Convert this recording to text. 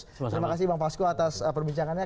terima kasih bang fasko atas perbincangannya